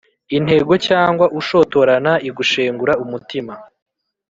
intego cyangwa ushotorana, igushengura umutima.